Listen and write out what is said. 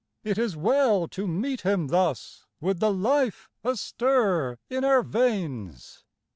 It is well to meet him thus, with the life astir in our veins